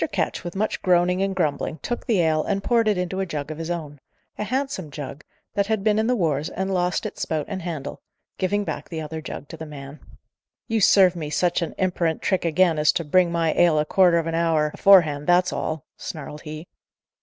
Ketch, with much groaning and grumbling, took the ale and poured it into a jug of his own a handsome jug, that had been in the wars and lost its spout and handle giving back the other jug to the man. "You serve me such a imperant trick again, as to bring my ale a quarter of a hour aforehand, that's all!" snarled he.